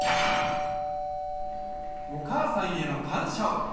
お母さんへの感謝を。